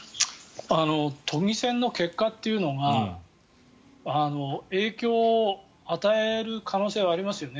都議選の結果というのが影響を与える可能性はありますよね。